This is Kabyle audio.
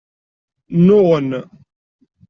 Nnuɣen.